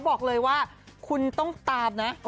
บอกเลยว่าคุณต้องตามนะ